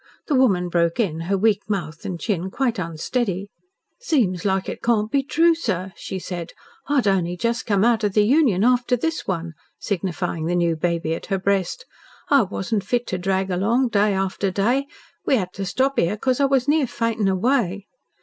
The woman broke in, her weak mouth and chin quite unsteady. "Seems like it can't be true, sir," she said. "I'd only just come out of the Union after this one," signifying the new baby at her breast. "I wasn't fit to drag along day after day. We 'ad to stop 'ere 'cos I was near fainting away."